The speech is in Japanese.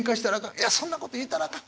いやそんなこと言うたらあかん。